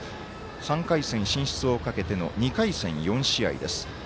３回戦進出をかけての２回戦、４試合目です。